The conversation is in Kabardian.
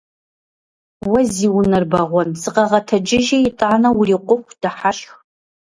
Уэ зи унэр бэгъуэн! Сыкъэгъэтэджыжи итӏанэ урикъуху дыхьэшх!